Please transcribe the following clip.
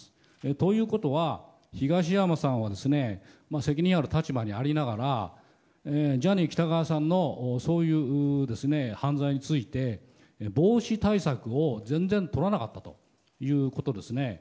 ということは、東山さんは責任ある立場にありながらジャニー喜多川さんのそういう犯罪について防止対策を全然とらなかったということですね。